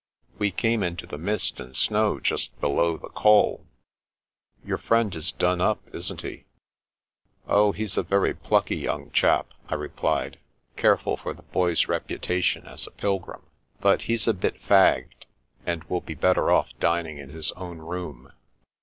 " We came into the mist and snow just below the Col." Your friend is done up, isn't he? " Oh, he's a very plucky young chap," I replied, careful for the Boy's reputation as a pilgrim ;" but he's a bit fagged, and will be better off dining in his it own room."